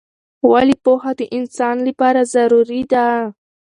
ولې پوهه د انسان لپاره ضروری ده؟